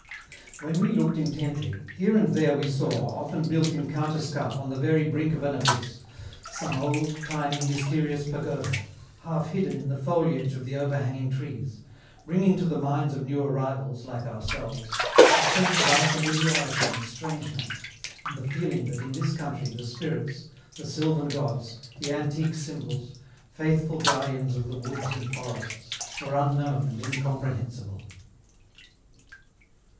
When we looked intently, here and there we saw, often built in counterscarp on the very brink of an abyss, some old, tiny, mysterious pagoda, half hidden in the foliage of the overhanging trees, bringing to the minds of new arrivals, like ourselves, a sense of unfamiliarity and strangeness, and the feeling that in this country the spirits, the sylvan gods, the antique symbols, faithful guardians of the woods and forests, were unknown and incomprehensible.